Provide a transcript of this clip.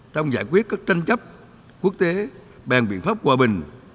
trong giải quyết các tranh chấp quốc tế bàn biện pháp hòa bình